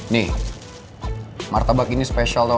nih martabak ini spesial tau gak